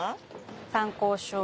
参考書。